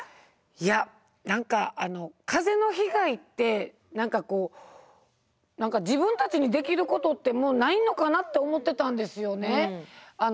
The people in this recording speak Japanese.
いや何か風の被害って何かこう自分たちにできることってもうないのかなって思ってたんですよね。